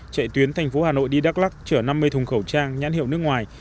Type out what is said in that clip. chạy tuyến thành phố hà nội đi đắk lắc chở năm mươi thùng khẩu trang nhãn hiệu nước ngoài